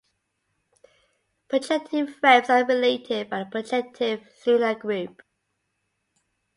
Projective frames are related by the projective linear group.